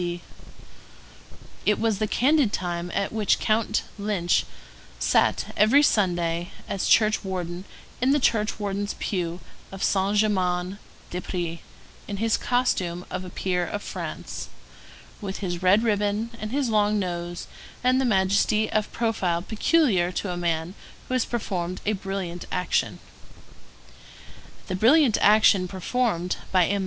It was the candid time at which Count Lynch sat every Sunday as church warden in the church warden's pew of Saint Germain des Prés, in his costume of a peer of France, with his red ribbon and his long nose and the majesty of profile peculiar to a man who has performed a brilliant action. The brilliant action performed by M.